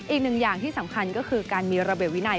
อีกหนึ่งอย่างที่สำคัญก็คือการมีระเบียบวินัย